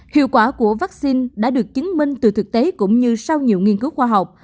hiệu quả của vaccine đã được chứng minh từ thực tế cũng như sau nhiều nghiên cứu khoa học